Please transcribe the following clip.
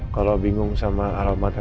kalau bingung sama alamatnya